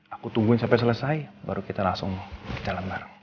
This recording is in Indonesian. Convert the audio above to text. aku tungguin sampai selesai baru kita langsung jalan bareng